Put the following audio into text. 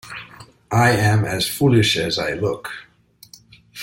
I am as foolish as I look.